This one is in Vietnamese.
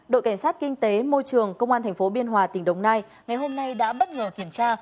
đội cảnh sát kinh tế môi trường công an tp biên hòa tỉnh đồng nai ngày hôm nay đã bất ngờ kiểm tra